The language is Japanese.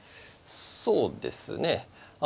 そうですね。